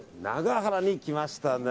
長原に来ました。